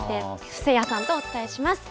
布施谷さんとお伝えします。